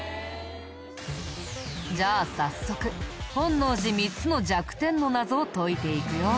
じゃあ早速本能寺３つの弱点の謎を解いていくよ。